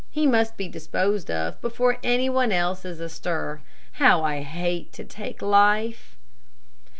He must be disposed of before anyone else is astir. How I hate to take life."